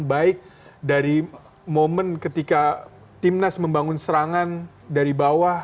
baik dari momen ketika timnas membangun serangan dari bawah